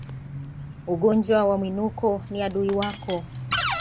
Ugonjwa wa Mwinuko ni adui wako